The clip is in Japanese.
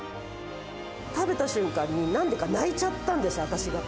食べた瞬間に、なんでか泣いちゃったんです、私が。